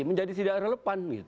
menjadi tidak relevan